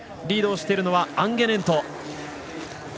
リードをしているのはアンゲネント。